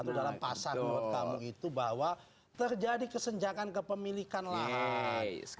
itu dalam pasar menurut kamu itu bahwa terjadi kesenjakan kepemilikan lahan